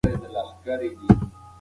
موږ پښتو ته په ډیجیټل بڼه کار کوو.